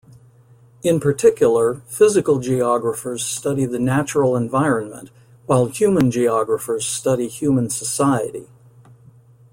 In particular, physical geographers study the natural environment while human geographers study human society.